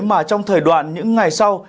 mà trong thời đoạn những ngày sau